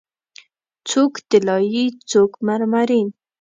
څوک طلایې، څوک مرمرین